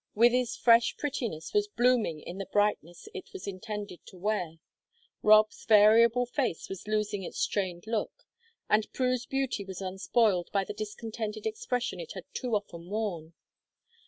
Wythie's fresh prettiness was blooming in the brightness it was intended to wear, Rob's variable face was losing its strained look, and Prue's beauty was unspoiled by the discontented expression it had too often worn.